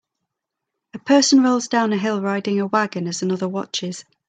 A person rolls down a hill riding a wagon as another watches.